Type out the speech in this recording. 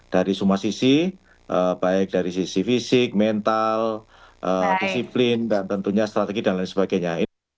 dari semua sisi baik dari sisi fisik mental disiplin dan tentunya strategi dan lain sebagainya